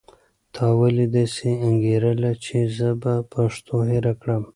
تا ولې داسې انګېرله چې زه به پښتو هېره کړم؟